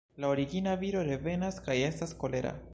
La origina viro revenas kaj estas kolera.